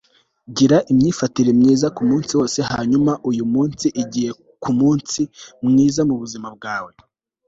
gira imyifatire myiza kumunsi wose hanyuma uyumunsi igiye kumunsi mwiza mubuzima bwawe